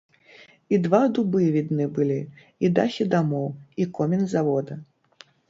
І два дубы відны былі, і дахі дамоў, і комін завода.